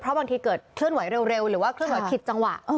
เพราะบางทีเกิดเคลื่อนไหวเร็วหรือว่าเคลื่อนไหวผิดจังหวะ